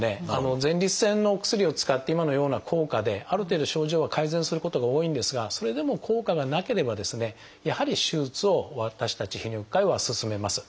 前立腺のお薬を使って今のような効果である程度症状が改善することが多いんですがそれでも効果がなければですねやはり手術を私たち泌尿器科医は勧めます。